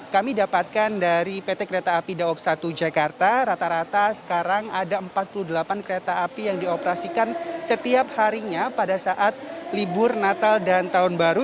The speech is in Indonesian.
kami dapatkan dari pt kereta api daob satu jakarta rata rata sekarang ada empat puluh delapan kereta api yang dioperasikan setiap harinya pada saat libur natal dan tahun baru